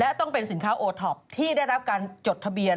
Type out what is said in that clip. และต้องเป็นสินค้าโอท็อปที่ได้รับการจดทะเบียน